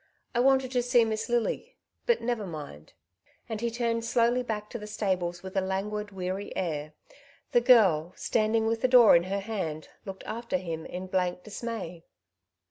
I wanted to see Miss Lily, but never mind;'' and he turned slowly back to the stables with a languid, weary air. The girl, standing with the door in her hand, looked after him in blank dismay.